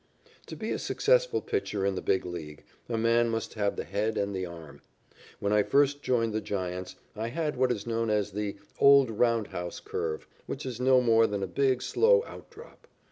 To be a successful pitcher in the Big League, a man must have the head and the arm. When I first joined the Giants, I had what is known as the "old round house curve," which is no more than a big, slow outdrop.